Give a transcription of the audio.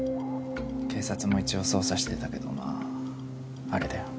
警察も一応捜査してたけどまああれだよ。